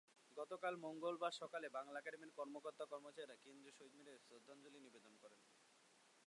গতকাল মঙ্গলবার সকালে বাংলা একাডেমির কর্মকর্তা-কর্মচারীরা কেন্দ্রীয় শহীদ মিনারে শ্রদ্ধাঞ্জলি নিবেদন করেন।